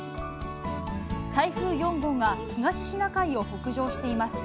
台風４号が東シナ海を北上しています。